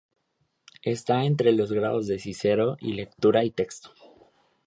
Está entre los grados de Cícero o Lectura y Texto.